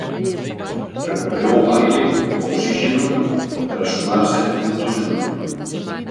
Recuperou o aire, o osíxeno, tras sumar sete puntos de nove.